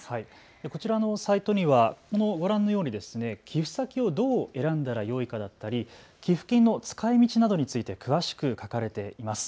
こちらのサイトにはご覧のように寄付先をどう選んだらよいかだったり寄付金の使いみちなどについて詳しく書かれています。